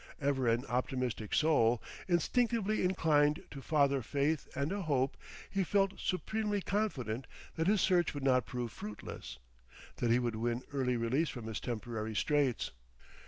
Ever an optimistic soul, instinctively inclined to father faith with a hope, he felt supremely confident that his search would not prove fruitless, that he would win early release from his temporary straits.